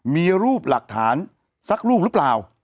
มีรูปหลักฐานสักรูปหรือเปล่า